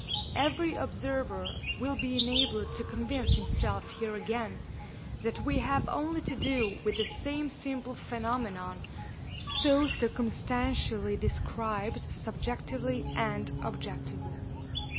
Every observer will be enabled to convince himself here again that we have only to do with the same simple phenomenon so circumstantially described subjectively and objectively.